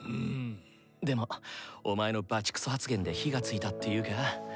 でもお前のバチクソ発言で火がついたっていうか。